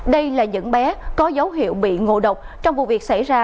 đây là những bé có dấu hiệu bị ngộ độc trong vụ việc xảy ra